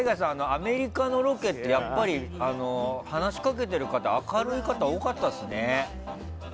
アメリカのロケってやっぱり話しかけている方明るい方多かったですね。